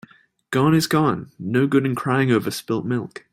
Gone is gone. No good in crying over spilt milk.